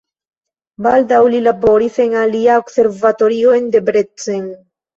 Baldaŭ li laboris en alia observatorio en Debrecen.